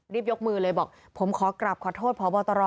รีบยกมือเลยบอกผมคอยกลับขอโทษพ่อบอตร